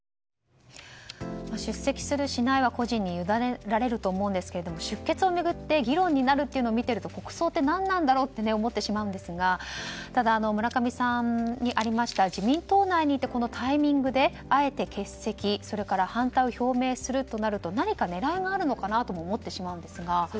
出席する、しないは個人に委ねられると思いますが出欠を巡って議論になるっていうのを見ると国葬って何なんだろうと思ってしまいますが村上さんにありました自民党内にいたタイミングであえて欠席、それから反対を表明するとなると何か狙いがあるのかなとも思ってしまいますが。